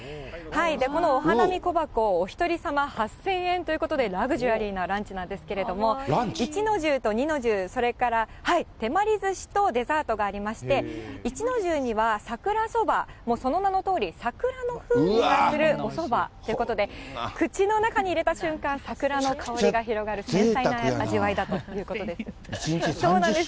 このお花見小箱、お１人様８０００円ということでラグジュアリーなランチなんですけれども、一の重と二の重、それからてまりずしとデザートがありまして、一の重には桜そば、その名のとおり桜の風味がするおそばということで、口の中に入れた瞬間、桜の香りが広がる繊細な味わいだということぜいたくやな。